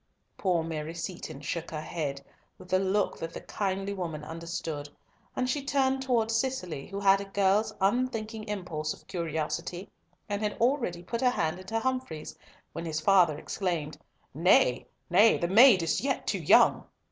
Poor Mary Seaton shook her head, with a look that the kindly woman understood, and she turned towards Cicely, who had a girl's unthinking impulse of curiosity, and had already put her hand into Humfrey's, when his father exclaimed, "Nay, nay, the maid is yet too young!"